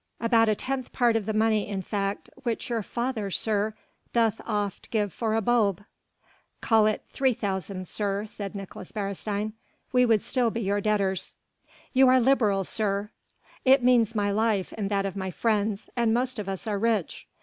"About a tenth part of the money in fact which your father, sir, doth oft give for a bulb." "Call it 3,000, sir," said Nicolaes Beresteyn, "we would still be your debtors." "You are liberal, sir." "It means my life and that of my friends, and most of us are rich."